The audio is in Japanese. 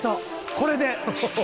「これで」